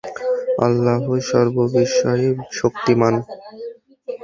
আল্লাহ সর্ববিষয়ে শক্তিমান।